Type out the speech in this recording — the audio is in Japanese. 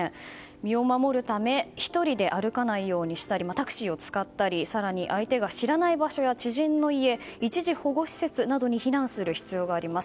身を守るために１人で歩かないようにしたりタクシーを使ったり更に相手が知らない場所や知人の家、一時保護施設などに避難する必要があります。